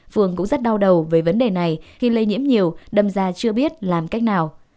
phường cũng rất đau đầu với vấn đề này khi lây nhiễm nhiều đâm ra chưa biết làm cách nào